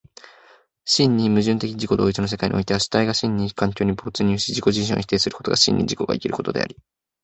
真に矛盾的自己同一の世界においては、主体が真に環境に没入し自己自身を否定することが真に自己が生きることであり、